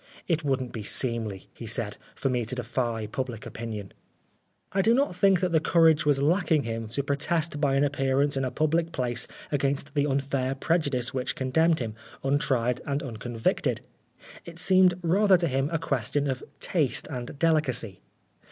"It wouldn't be seemly," he said, " for me to defy public opinion." I do not think that the courage was lacking him to protest by an appearance in a public place against the unfair prejudice which condemned him, untried and uncon victed. It seemed rather to him a question of taste and delicacy.